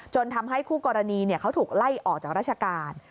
ทำให้คู่กรณีเขาถูกไล่ออกจากราชการ